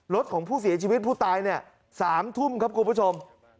รถของผู้เสียชีวิตผู้ตายเนี่ย๓ทุ่มครับคุณผู้ชม